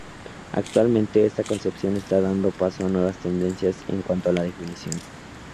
Actualmente, esta concepción está dando paso a nuevas tendencias en cuanto a la definición.